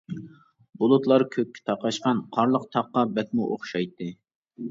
بۇلۇتلار كۆككە تاقاشقان قارلىق تاققا بەكمۇ ئوخشايتتى.